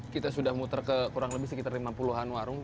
kita sudah muter ke kurang lebih sekitar lima puluh an warung